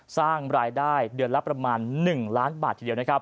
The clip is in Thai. สร้างรายได้เดือนลับประมาณหนึ่งล้านบาทเฉยนะครับ